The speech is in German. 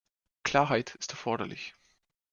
Klarheit ist erforderlich.